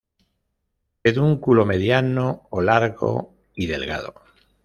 Pedúnculo mediano o largo y delgado.